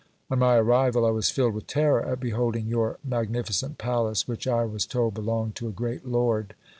On my arrival I was filled with terror at beholding your magnificent palace, which I was told belonged to a great lord.